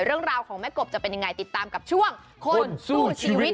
เรื่องราวของแม่กบจะเป็นยังไงติดตามกับช่วงคนสู้ชีวิต